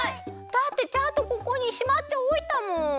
だってちゃんとここにしまっておいたもん。